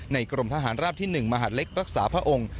ในกรมทหารราบที่๑มหลักศึกษาพระองค์